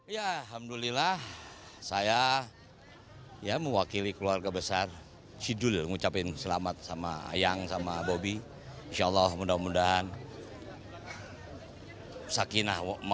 ya alhamdulillah saya mewakili keluarga besar si juli mengucapkan selamat sama ayang sama bobi insyaallah mudah mudahan